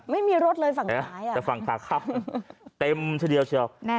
ไม่มีรถเลยฝั่งซ้ายแต่ฝั่งทางขับเต็มเฉยเฉย